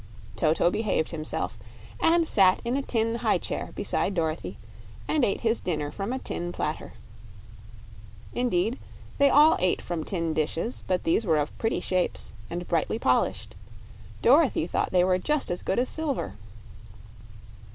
Toto behaved himself, and sat in a tin high chair beside Dorothy and ate his dinner from a tin platter. Indeed, they all ate from tin dishes, but these were of pretty shapes and brightly polished; Dorothy thought they were just as good as silver.